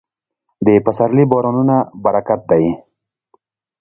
د پسرلي بارانونه برکت دی.